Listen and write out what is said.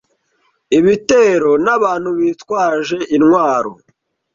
ibitero n’abantu bitwaje intwaro,